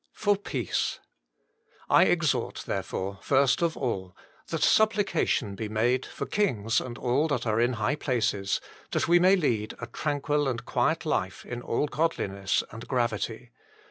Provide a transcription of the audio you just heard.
fat ^Jl ITCC "I exhort therefore, first of all, that supplication be made for kings and all that are in high places ; that we may lead a tranquil and quiet life in all godliness and gravity.